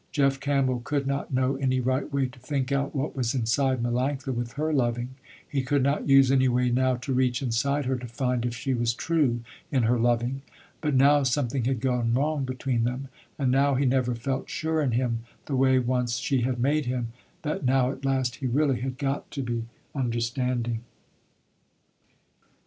Jeff Campbell could not know any right way to think out what was inside Melanctha with her loving, he could not use any way now to reach inside her to find if she was true in her loving, but now something had gone wrong between them, and now he never felt sure in him, the way once she had made him, that now at last he really had got to be understanding.